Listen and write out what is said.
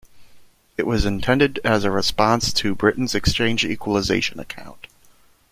It was intended as a response to Britain's Exchange Equalisation Account.